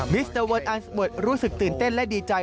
ิสเตอร์เวิร์ดอันสเมิร์ดรู้สึกตื่นเต้นและดีใจ